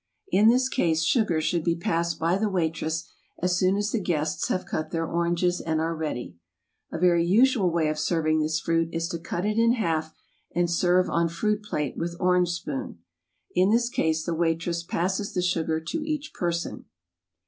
In this case sugar should be passed by the waitress, as soon as the guests have cut their oranges and are ready. A very usual way of serving this fruit is to cut it in half and serve on fruit plate with orange spoon. In this case the waitress passes the sugar to each person.